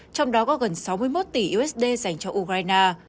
trong đó có gần sáu mươi một tỷ usd dành cho ukraine